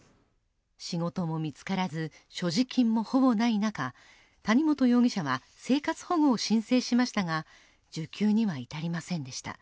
仕事も見つからず所持金もほぼない中谷本容疑者は生活保護を申請しましたが受給には至りませんでした。